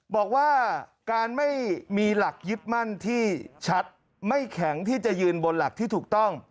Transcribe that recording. บอกว่าการไม่มีหลักยึดมั่นที่ชัดไม่แข็งที่จะยืนบนหลักที่ถูกต้อง